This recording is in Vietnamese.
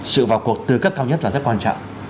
sự vào cuộc từ cấp cao nhất là rất quan trọng